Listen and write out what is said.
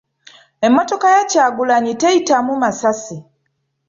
Emmotoka ya Kagulanyi teyitamu masasi.